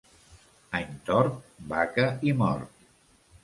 Any tort, vaca i mort.